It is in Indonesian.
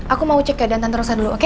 aku mau cek keadaan tante rosa dulu oke